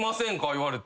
言われて。